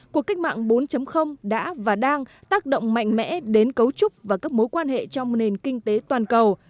cuộc cách mạng bốn đã và đang tác động mạnh mẽ đến cấu trúc và các mối quan hệ trong nền kinh tế toàn cầu